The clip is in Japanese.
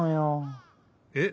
えっ？